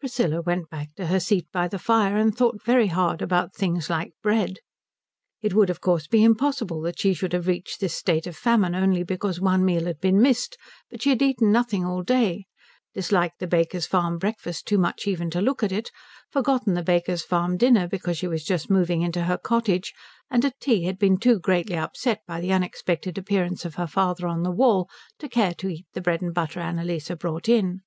Priscilla went back to her seat by the fire, and thought very hard about things like bread. It would of course be impossible that she should have reached this state of famine only because one meal had been missed; but she had eaten nothing all day, disliked the Baker's Farm breakfast too much even to look at it, forgotten the Baker's Farm dinner because she was just moving into her cottage, and at tea had been too greatly upset by the unexpected appearance of her father on the wall to care to eat the bread and butter Annalise brought in.